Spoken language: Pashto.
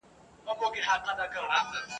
د وصال په شپه کي راغلم له هجران سره همزولی ..